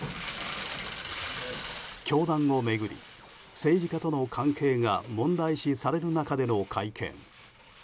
教団を巡り、政治家との関係が問題視される中での会見。